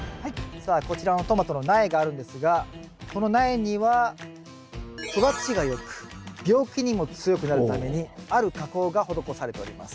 さあこちらのトマトの苗があるんですがこの苗には育ちがよく病気にも強くなるためにある加工が施されております。